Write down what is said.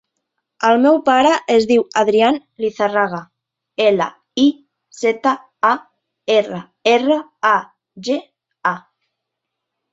El meu pare es diu Adrián Lizarraga: ela, i, zeta, a, erra, erra, a, ge, a.